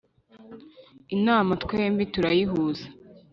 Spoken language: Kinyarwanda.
inama twembi turayihuza,